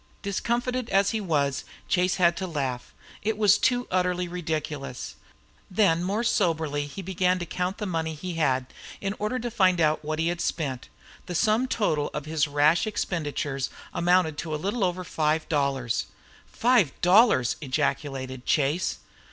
Discomfited as he was, Chase had to laugh. It was too utterly ridiculous. Then more soberly he began to count the money he had, in order to find out what he had spent. The sum total of his rash expenditures amounted to a little over five dollars. "Five dollars!" ejaculated Chase.